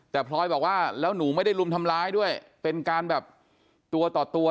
แต่พลอยบอกว่าแล้วหนูไม่ได้รุมทำร้ายด้วยเป็นการแบบตัวต่อตัว